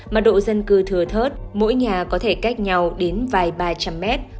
mật độ dân cư thừa thớt mỗi nhà có thể cách nhau đến vài ba trăm linh mét